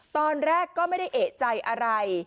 ตอนแรกก็ไม่ได้เอกใจอะไร